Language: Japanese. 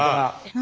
何？